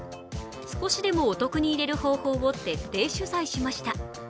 少しでもお得に入れる方法を徹底取材しました。